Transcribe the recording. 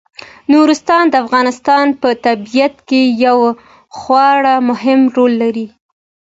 نورستان د افغانستان په طبیعت کې یو خورا مهم رول لري.